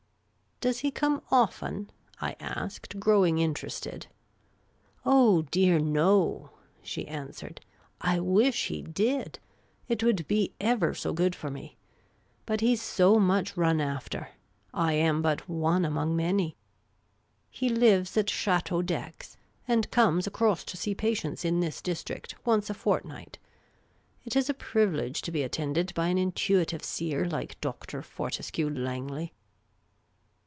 " Does he come often ?" I asked, growing interested. " Oh, dear, no," she answered. " I wish he did ; it would be ever .so good for me. But he 's so much run after ; I am SHE INVITED ELSIE AND MYSELF TO STOP WITH HER. but one among many. He lives at Chateau d'Oex, and comes across to see patients in this district once a fortnight. It is a privilege to be attended by an intuitive seer like Dr. Fortescue Langley.